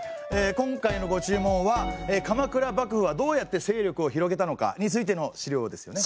今回のご注文は鎌倉幕府はどうやって勢力を広げたのかについての資料ですよね。